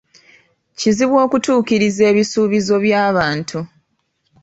Kizibu okutuukiriza ebisuubizo by'abantu.